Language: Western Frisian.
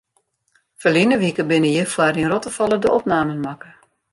Ferline wike binne hjirfoar yn Rottefalle de opnamen makke.